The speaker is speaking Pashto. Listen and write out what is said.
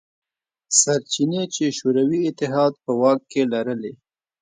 سرچینې چې شوروي اتحاد په واک کې لرلې.